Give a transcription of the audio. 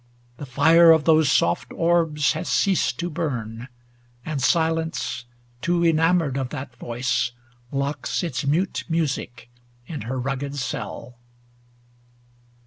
The fire of those soft orbs has ceased to burn. And Silence, too enamoured of that voice. Locks its mute music in her rugged cell.